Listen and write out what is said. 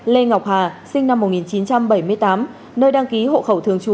lê ngọc hà sinh năm một nghìn chín trăm bảy mươi tám nơi đăng ký hộ khẩu thường trú